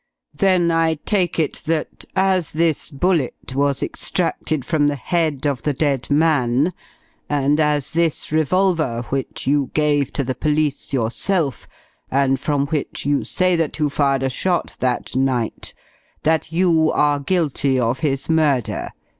"Then I take it that, as this bullet was extracted from the head of the dead man, and as this revolver which you gave to the police yourself, and from which you say that you fired a shot that night, that you are guilty of his murder.